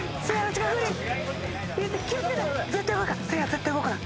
絶対動くな。